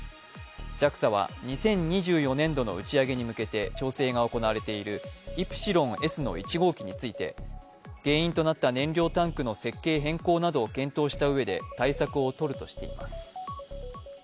ＪＡＸＡは２０２４年度の打ち上げに向けて調整が行われているイプシロンＳの１号機について原因となった燃料タンクの設計変更などを検討したうえで対策を取るとしています。